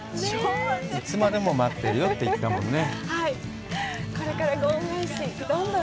いつまでも待ってるよって言ったもんね？